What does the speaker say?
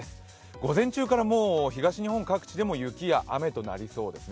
午前中から東日本各地でも雪や雨となりそうですね。